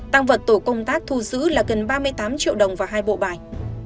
tăng vật tổ công tác thu giữ là gần ba mươi tám triệu đồng và hai bộ bài